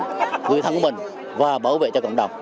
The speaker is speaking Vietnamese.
người thân của mình và bảo vệ cho cộng đồng